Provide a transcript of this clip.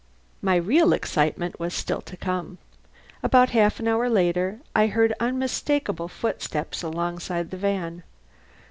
But my real excitement was still to come. About half an hour later I heard unmistakable footsteps alongside the van.